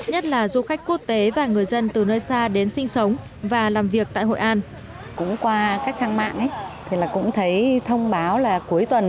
nhất là du khách quốc tế và người dân từ nơi xa đến sinh sống và làm việc tại hội an